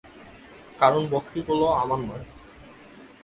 কারণ বকরীগুলো আমার নয়।